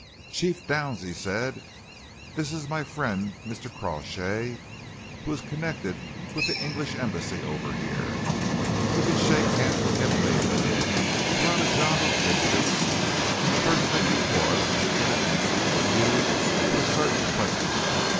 "Chief Downs," he said, "this is my friend Mr. Crawshay, who is connected with the English Embassy over here. You can shake hands with him later. We're on a job of business, and the first thing before us is to get an answer from you to a certain question.